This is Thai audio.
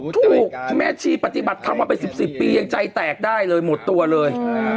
ถูกแม่ชีปฏิบัติธรรมมาเป็น๑๐ปียังใจแตกได้เลยหมดตัวเลย